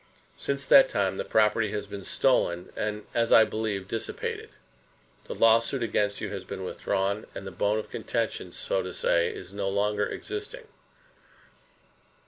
Since that time the property has been stolen and, as I believe, dissipated. The lawsuit against you has been withdrawn; and the bone of contention, so to say, is no longer existing.